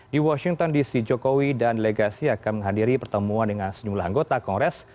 di washington dc jokowi dan delegasi akan menghadiri pertemuan dengan sejumlah anggota kongres